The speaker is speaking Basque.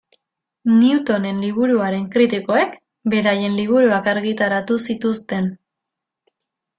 Newtonen liburuaren kritikoek beraien liburuak argitaratu zituzten.